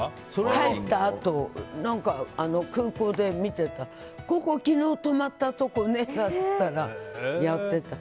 入ったあと、空港で見てたらここ昨日泊まったところねなんて言ったらやってた。